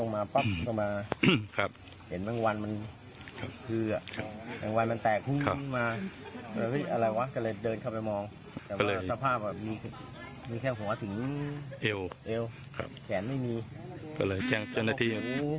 มีแค่หูหาถึงเอวแขนไม่มี